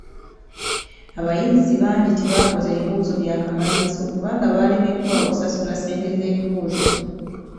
Abayizi bangi tebakoze bibuuzo bya kamalirizo kubanga balemeddwa okusasula ssente z'ebibuuzo.